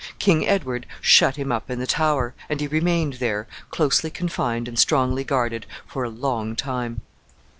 King Edward shut him up in the Tower, and he remained there, closely confined and strongly guarded for a long time.